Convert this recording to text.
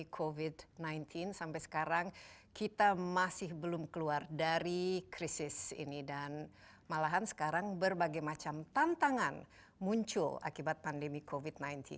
covid sembilan belas sampai sekarang kita masih belum keluar dari krisis ini dan malahan sekarang berbagai macam tantangan muncul akibat pandemi covid sembilan belas